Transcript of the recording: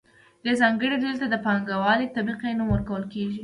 دې ځانګړې ډلې ته د پانګوالې طبقې نوم ورکول کیږي.